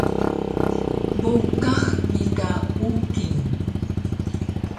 Bowqax bi ka Uking